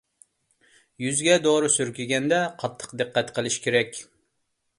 يۈزگە دورا سۈركىگەندە قاتتىق دىققەت قىلىش كېرەك.